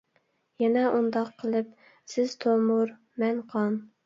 يەنە ئۇنداق قىلىپ. سىز تومۇر مەن قان.